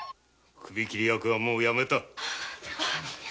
首切り役はやめた。